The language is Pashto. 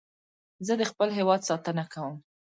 زه د خپل هېواد ساتنه کوم